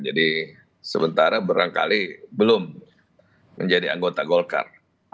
jadi sementara berangkali belum menjadi anggota golkar